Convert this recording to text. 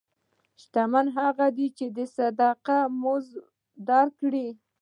شتمن هغه دی چې د صدقې مزه درک کړي.